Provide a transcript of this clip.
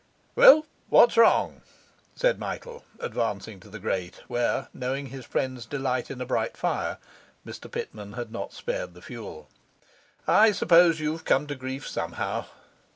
'Well, what's wrong?' said Michael, advancing to the grate, where, knowing his friend's delight in a bright fire, Mr Pitman had not spared the fuel. 'I suppose you have come to grief somehow.